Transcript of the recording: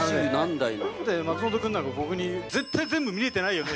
だって松本君なんて、僕に、絶対全部見えてないよね？